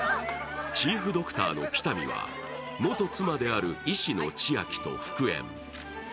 チーフドクターの喜多見は元妻である医師の千晶と復縁。